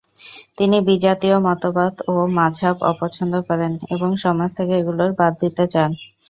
তিনি বিজাতীয় মতবাদ ও মাযহাব অপছন্দ করেন এবং সমাজ থেকে এগুলো বাদ দিতে চান।